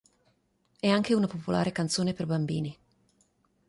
È anche una popolare canzone per bambini.